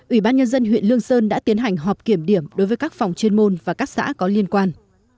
ủy ban nhân dân huyện lương sơn đã tiến hành họp kiểm điểm đối với các phòng chuyên môn và các xã có liên quan